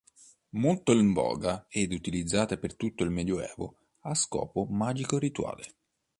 Molto in voga ed utilizzata per tutto il Medioevo a scopo magico-rituale.